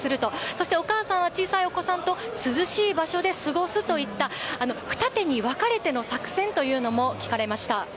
そしてお母さんは小さいお子さんと涼しい場所で過ごすといった二手に分かれての作戦も聞かれました。